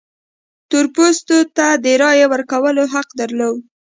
تور پوستو ته د رایې ورکولو حق درلود.